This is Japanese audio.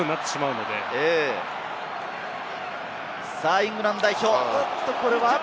イングランド代表、これは。